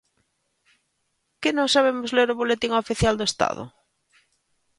¿Que non sabemos ler o Boletín Oficial do Estado?